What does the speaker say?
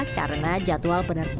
karena jadwal penerbangan